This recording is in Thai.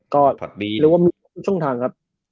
ก็เรียกว่ามีทุกช่องทางครับ